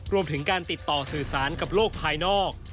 รวมถึงการติดต่อสื่อสารกับโลกภายนอก